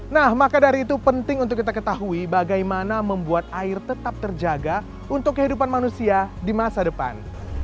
nah maka dari itu penting untuk kita ketahui bagaimana membuat air tetap terjaga untuk kehidupan manusia di masa depan